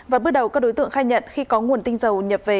và bước đầu các đối tượng khai nhận khi có nguồn tinh dầu nhập về